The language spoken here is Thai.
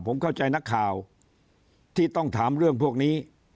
ผมเข้าใจนักข่าวที่ต้องถามเรื่องพวกนี้